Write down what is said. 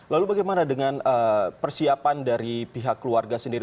lalu bagaimana dengan persiapan dari pihak keluarga sendiri